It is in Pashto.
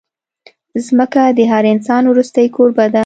ځمکه د هر انسان وروستۍ کوربه ده.